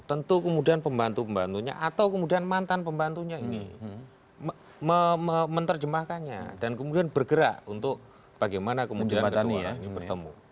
tentu kemudian pembantu pembantunya atau kemudian mantan pembantunya ini menerjemahkannya dan kemudian bergerak untuk bagaimana kemudian kedua ini bertemu